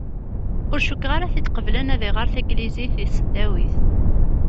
Ur cukkeɣ ara ad t-id-qeblen ad iɣer taglizit deg tesdawit.